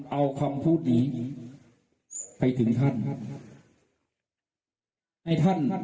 ผมเอาคำพูดนี้ให้ถึงท่าน